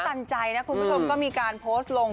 แต่นี่ออกแล้วก็เข้าเต็มเลย